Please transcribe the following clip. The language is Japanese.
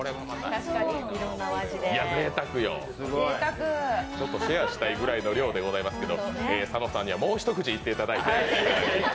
いや、ぜいたくよ、シェアしたいくらいの量でございますけど佐野さんにはもう一口いっていただいて。